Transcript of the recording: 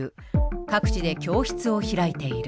各地で教室を開いている。